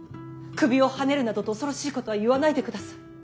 首をはねるなどと恐ろしいことは言わないでください。